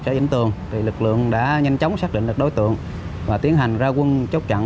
xã vĩnh tường lực lượng đã nhanh chóng xác định được đối tượng và tiến hành ra quân chốc trận